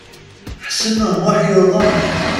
Ḥsen U Muḥ yuḍen.